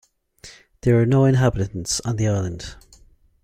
There are no inhabitants on the island.